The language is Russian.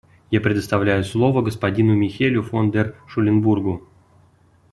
Я предоставляю слово господину Михелю фон дер Шуленбургу.